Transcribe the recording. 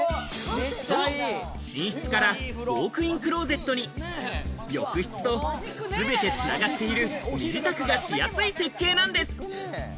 そう、寝室からウォークインクローゼットに浴室と全てつながっている身支度がしやすい設計なんです。